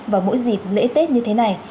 vào mỗi dịp lễ tết như thế này